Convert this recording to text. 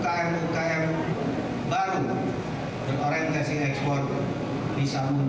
dan orientasi ekspor bisa muncul lebih banyak lagi